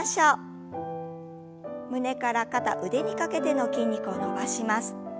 胸から肩腕にかけての筋肉を伸ばします。